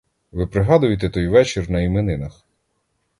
Ви пригадуєте той вечір на іменинах?